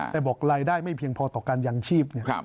แต่บอกรายได้ไม่เพียงพอต่อการยางชีพ